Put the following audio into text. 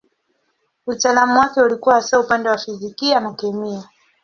Utaalamu wake ulikuwa hasa upande wa fizikia na kemia.